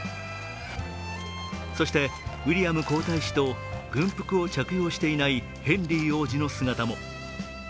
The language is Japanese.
そしてウィリアム皇太子と軍服を着用していないヘンリー王子の姿も。